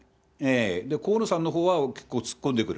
河野さんのほうは突っ込んでくる。